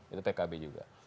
itu pkb juga